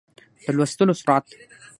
د لوستلو سرعت